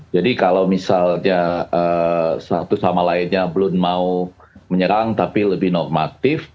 jadi kalau misalnya satu sama lainnya belum mau menyerang tapi lebih normatif